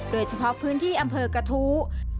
โดยเฉพาะพื้นที่อำเภอกระทู้